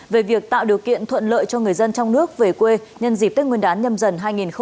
về việc tạo điều kiện thuận lợi cho người dân trong nước về quê nhân dịp tết nguyên đán nhâm dần hai nghìn hai mươi